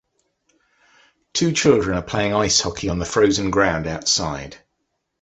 Two children are playing ice hockey on the frozen ground outside.